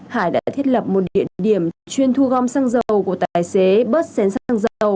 hải đã thiết lập một địa điểm chuyên thu gom xăng dầu của tài xế bớt xén xăng dầu